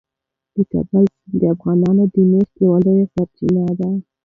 د کابل سیند د افغانانو د معیشت یوه لویه سرچینه ده.